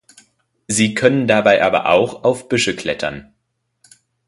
Sie können dabei aber auch auf Büsche klettern.